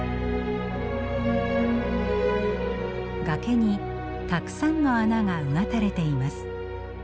崖にたくさんの穴がうがたれています。